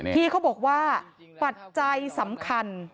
พี่เขาบอกว่าภัตรการณ์ใจสำคัญ